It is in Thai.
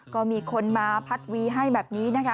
ก็มีคนมาพัดวีให้แบบนี้นะคะ